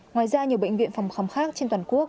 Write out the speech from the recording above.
ngoài ra nhiều bệnh viện phòng khám khác trên toàn quốc